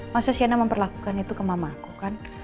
masa siana memperlakukan itu ke mama aku kan